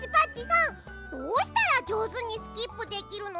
どうしたらじょうずにスキップできるの？